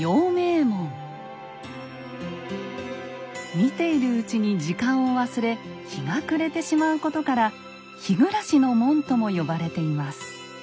見ているうちに時間を忘れ日が暮れてしまうことから「日暮の門」とも呼ばれています。